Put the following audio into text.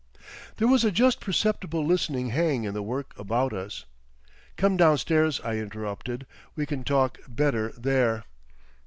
There was a just perceptible listening hang in the work about us. "Come downstairs," I interrupted, "we can talk better there."